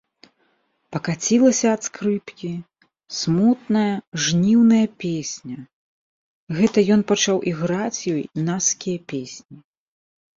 Пакацілася ад скрыпкі смутная жніўная песня, гэта ён пачаў іграць ёй наскія песні.